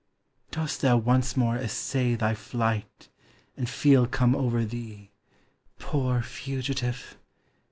Dost thou once more essay Thy flight; and feel come over thee, Poor fugitive